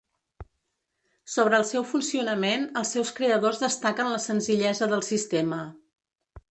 Sobre el seu funcionament, els seus creadors destaquen la senzillesa del sistema.